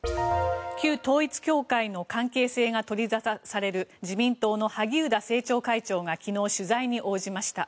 旧統一教会の関係性が取り沙汰される自民党の萩生田政調会長が昨日、取材に応じました。